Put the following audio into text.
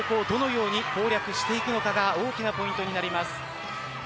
どのように攻略していくのかが大きなポイントになります。